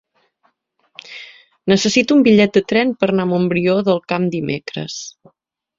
Necessito un bitllet de tren per anar a Montbrió del Camp dimecres.